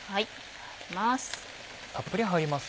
入ります。